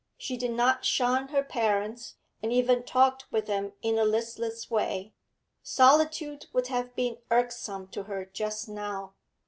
She did not shun her parents, and even talked with them in a listless way; solitude would have been irksome to her just now.